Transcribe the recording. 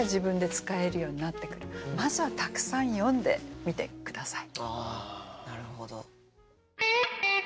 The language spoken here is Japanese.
まずはたくさん読んでみて下さい。